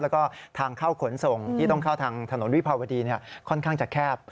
แล้วก็ทางเข้าขนส่งที่ต้องเข้าทางถนนวิภาวดีค่อนข้างจะแคบ